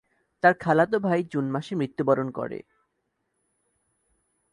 তার খালাতো ভাই জুন মাসে মৃত্যুবরণ করে।